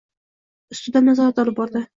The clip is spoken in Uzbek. Ustidan nazorat olib bordi